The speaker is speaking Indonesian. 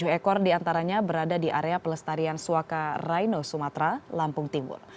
tujuh ekor diantaranya berada di area pelestarian suaka raino sumatera lampung timur